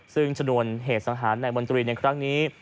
ซึ่งชนวนเหตุสังหารในมนตรีในครั้งนี้